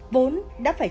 vốn đã phải